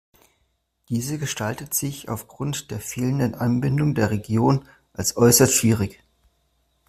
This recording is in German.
Diese gestaltet sich aufgrund der fehlenden Anbindung der Region als äußerst schwierig.